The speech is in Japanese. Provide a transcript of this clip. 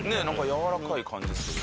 やわらかい感じする。